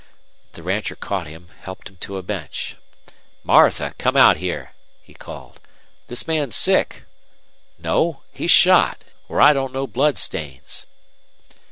The rancher caught him, helped him to a bench. "Martha, come out here!" he called. "This man's sick. No; he's shot, or I don't know blood stains."